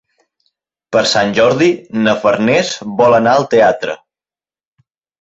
Per Sant Jordi na Farners vol anar al teatre.